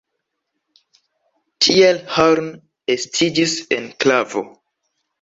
Tiel Horn estiĝis enklavo.